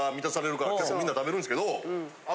から結構みんな食べるんすけどあと。